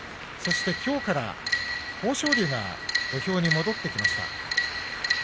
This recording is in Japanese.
きょうから豊昇龍が土俵に戻ってきました。